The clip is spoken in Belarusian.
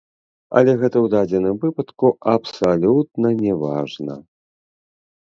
Але гэта ў дадзеным выпадку абсалютна не важна.